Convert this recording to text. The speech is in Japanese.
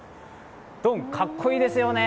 ドン！かっこいですよね。